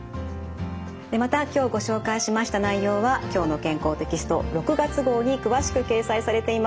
また今日ご紹介しました内容は「きょうの健康」テキスト６月号に詳しく掲載されています。